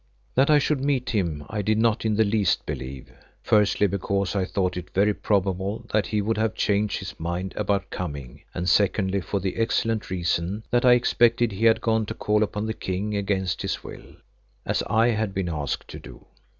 That I should meet him I did not in the least believe, firstly because I thought it very probable that he would have changed his mind about coming, and secondly for the excellent reason that I expected he had gone to call upon the King against his will, as I had been asked to do.